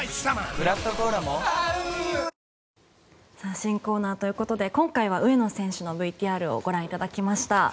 新コーナーということで今回は上野選手のＶＴＲをご覧いただきました。